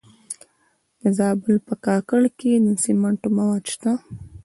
د زابل په کاکړ کې د سمنټو مواد شته.